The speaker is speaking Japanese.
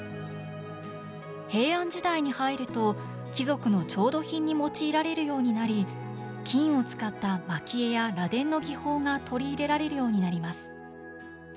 平安時代に入ると貴族の調度品に用いられるようになり金を使った蒔絵や螺鈿の技法が取り入れられるようになります。